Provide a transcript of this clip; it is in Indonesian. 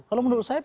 kalau menurut saya